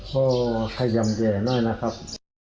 พ่อขยำแย่หน่อยนะครับ